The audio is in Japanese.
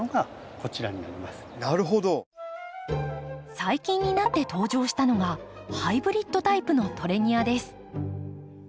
最近になって登場したのがハイブリッドタイプのトレニアです。